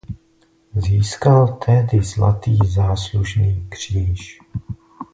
Získal tehdy Zlatý záslužný kříž.